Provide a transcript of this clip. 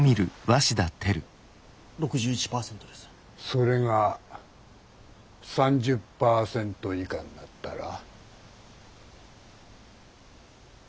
それが３０％以下になったら。